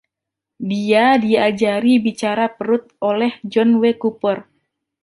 Dia diajari bicara perut oleh John W. Cooper.